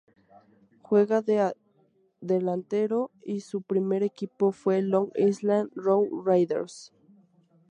Juega de delantero y su primer equipo fue Long Island Rough Riders.